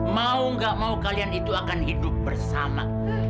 mau gak mau kalian itu akan hidup bersama